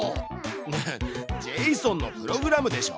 いやジェイソンのプログラムでしょ？